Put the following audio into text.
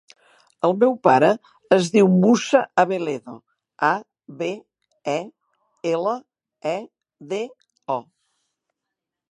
El meu pare es diu Moussa Abeledo: a, be, e, ela, e, de, o.